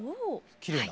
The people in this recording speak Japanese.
きれいな。